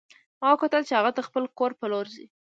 ما وکتل چې هغه د خپل کور په لور ځي